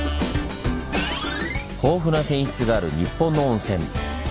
豊富な泉質がある日本の温泉。